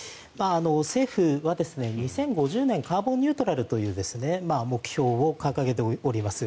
政府は２０５０年カーボンニュートラルという目標を掲げております。